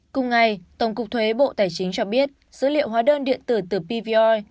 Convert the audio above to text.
cùng ngày tổng cục thuế bộ tài chính cho biết dữ liệu hóa đơn điện tử từ pvoi